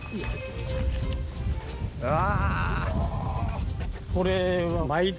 うわ。